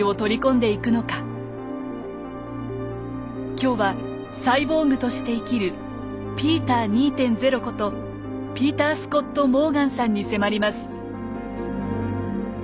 今日はサイボーグとして生きるピーター２．０ことピーター・スコット−モーガンさんに迫ります。